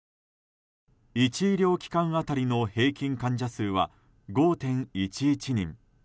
１医療機関当たりの平均患者数は５．１１人。